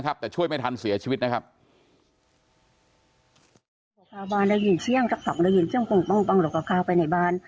แต่ช่วยไม่ทันเสียชีวิตนะครับ